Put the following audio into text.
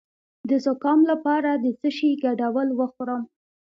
د زکام لپاره د څه شي ګډول وخورم؟